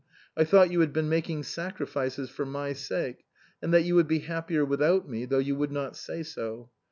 I thought you had been making sacrifices for my sake, and that you would be happier without me, though you would not say so.